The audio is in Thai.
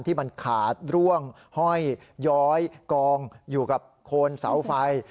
ที่มันขาดร่วงห้อยย้อยกองอยู่กับโคนเสาไฟ